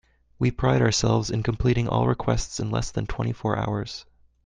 We pride ourselves in completing all requests in less than twenty four hours.